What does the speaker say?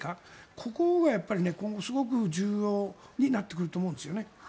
ここが今後すごく重要になってくると思うんですよね。